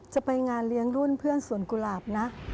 จะไปงานเลี้ยงรุ่นเพื่อนสวนกุหลาบนะ